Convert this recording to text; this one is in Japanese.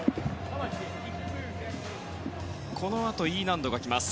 このあと、Ｅ難度が来ます。